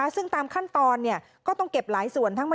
ซึ่งตามขั้นตอนก็ต้องเก็บหลายส่วน